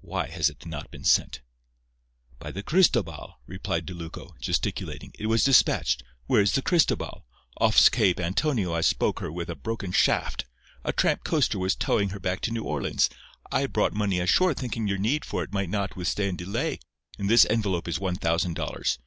Why has it not been sent?" "By the Cristobal," replied De Lucco, gesticulating, "it was despatched. Where is the Cristobal? Off Cape Antonio I spoke her with a broken shaft. A tramp coaster was towing her back to New Orleans. I brought money ashore thinking your need for it might not withstand delay. In this envelope is one thousand dollars.